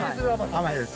甘いです。